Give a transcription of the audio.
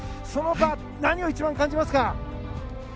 その場で何を一番感じますか？